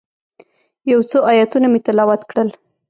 یو څو آیتونه مې تلاوت کړل.